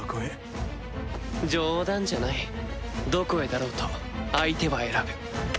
冗談じゃないどこへだろうと相手は選ぶ！